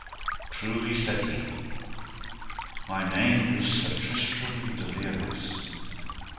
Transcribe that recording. Truly, said he, my name is Sir Tristram de Liones.